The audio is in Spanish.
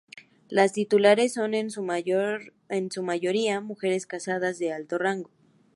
Las titulares son en su mayoría mujeres casadas de alto rango.